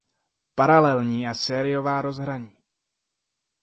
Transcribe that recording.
Paralelní a sériová rozhraní